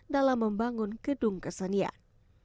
dalam membangun gedung kesenian